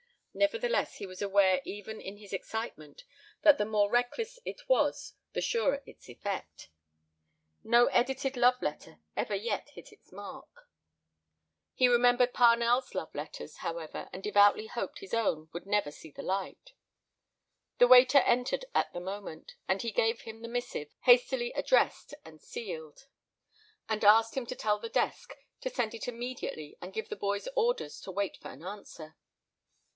Nevertheless, he was aware even in his excitement that the more reckless it was the surer its effect. No edited love letter ever yet hit its mark. (He remembered Parnell's love letters, however, and devoutly hoped his own would never see the light.) The waiter entered at the moment, and he gave him the missive, hastily addressed and sealed, and asked him to tell the "desk" to send it immediately and give the boy orders to wait for an answer.